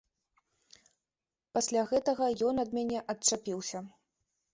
Пасля гэтага ён ад мяне адчапіўся.